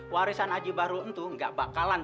warisan haji barun tuh nggak bakalan